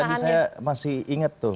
tadi saya masih ingat tuh